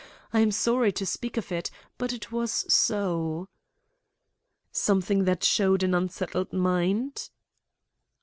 I am sorry to speak of it, but it was so." "Something that showed an unsettled mind?"